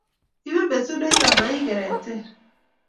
Ime mesundeito, ma i kereter